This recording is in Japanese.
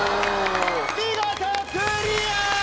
見事クリア！